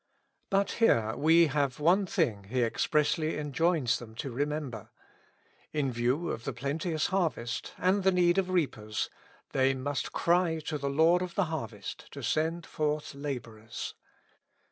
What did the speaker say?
But here we have one thing He expressly enjoins them to remember : in view of the plenteous harvest, and the need of reapers, they must cry to the Lord of the harvest to send forth laborers.